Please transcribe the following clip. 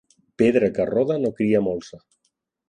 Pedra que roda no cria molsa